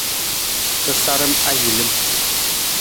Tasaram ahilim.